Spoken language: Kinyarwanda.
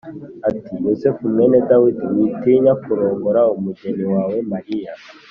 ati “Yosefu mwene Dawidi, witinya kurongora umugeni wawe Mariya,